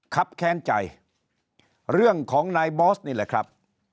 ครับแค้นใจเรื่องของนายบอสนี่แหละครับ